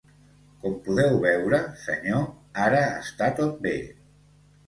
Com podeu veure, senyor, ara està tot bé.